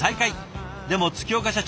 でも月岡社長